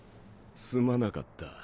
すまなかった。